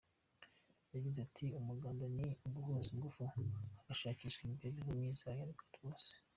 Yagize ati “Umuganda ni uguhuza ingufu, hagashakishwa imibereho myiza y’Abanyarwanda bose.